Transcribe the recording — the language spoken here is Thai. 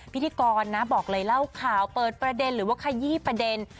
พิธีกรนะบอกเลยเล่าข่าวเปิดประเด็นหรือว่าขยี้ประเด็น